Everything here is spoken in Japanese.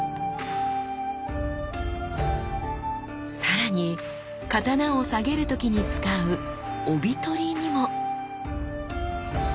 さらに刀をさげる時に使う帯執にも！